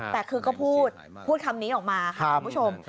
แต่คือก็พูดพูดคำนี้ออกมาค่ะคุณผู้ชม